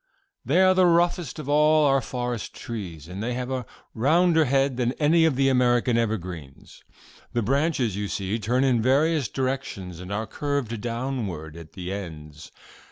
"They are the roughest of all our forest trees, and they have a rounder head than any of the other American evergreens. The branches, you see, turn in various directions and are curved downward at the ends.